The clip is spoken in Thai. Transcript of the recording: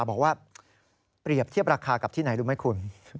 บอกว่าเปรียบเทียบราคากับที่ไหนรู้ไหมคุณ